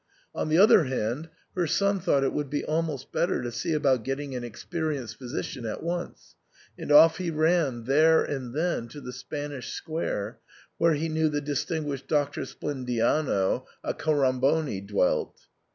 On the other hand, her son thought it would be almost better to see about getting an experienced physician at once, and off he ran there and then to the Spanish Square, where he knew the distinguished Doctor Splen diano Accoramboni dwelt.